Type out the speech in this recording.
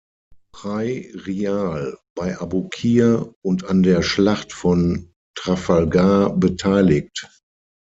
Prairial, bei Abukir und an der Schlacht von Trafalgar beteiligt.